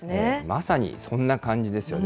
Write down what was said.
まさにそんな感じですよね。